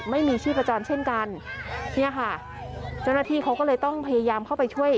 ไม่มีชีพจรเช่นกันเนี่ยค่ะเจ้าหน้าที่เขาก็เลยต้องพยายามเข้าไปช่วย